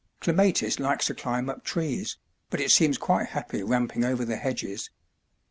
Clematis likes to climb up trees, but it seems quite happy ramping over the hedges.